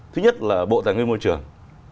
thứ nhất là bộ tài nguyên môi trường